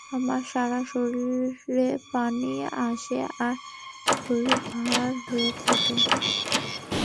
আমার সারা শরীরে পানি আসে আর শরীর ভার হয়ে থাকে।